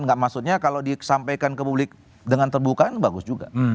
enggak maksudnya kalau disampaikan ke publik dengan terbuka ini bagus juga